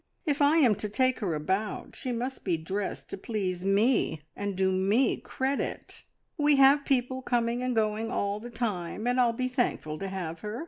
If I am to take her about, she must be dressed to please me, and do me credit. "We have people coming and going all the time, and I'll be thankful to have her.